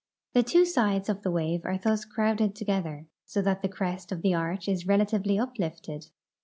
The two sides of the wave are thus crowded together, so that the crest of the arch is rela tively uplifted.